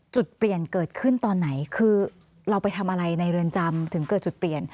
จุดเปลี่ยนเกิดขึ้นตอนไหนคือเราไปทำอะไรในเรือนจำถึงเกิดจุดเปลี่ยน